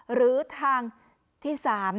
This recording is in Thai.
หรือทางที่๓